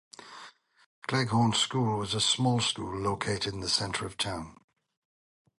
Cleghorn school was a small school located in the center of town.